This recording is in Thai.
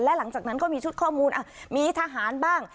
และหลังจากนั้นก็มีชุดข้อมูลมีทหารบ้าง